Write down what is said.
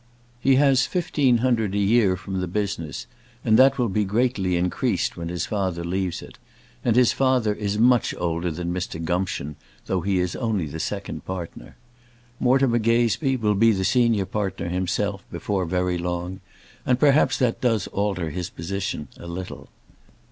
He has fifteen hundred a year from the business, and that will be greatly increased when his father leaves it; and his father is much older than Mr Gumption, though he is only the second partner. Mortimer Gazebee will be the senior partner himself before very long; and perhaps that does alter his position a little.